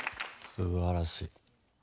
すばらしい。